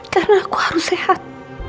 karena aku harus sehat